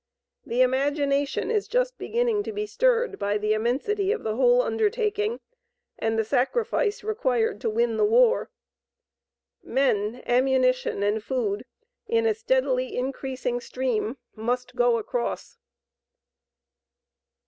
The imagination is just beginning to be stirred by the immensity of the whole undertaking and the sacrifice required to win the war. Men, ammunition and food, in a steadily increasing stream, must go across.